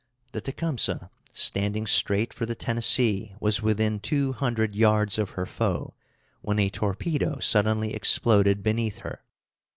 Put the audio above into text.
The Tecumseh, standing straight for the Tennessee, was within two hundred yards of her foe, when a torpedo suddenly exploded beneath her.